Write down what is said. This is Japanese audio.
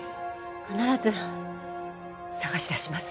必ず捜し出します。